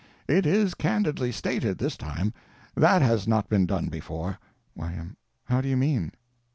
It is candidly stated, this time. That has not been done before. Y.M. How do you mean?